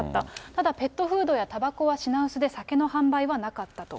ただペットフードやたばこは品薄で、酒の販売はなかったと。